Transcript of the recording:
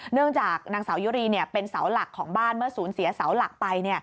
เนื่องจากนางสาวยุรีเป็นเสาหลักของบ้านเมื่อสูญเสียเสาหลักไป